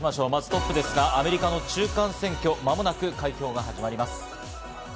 トップはアメリカ中間選挙、間もなく開票が始まります。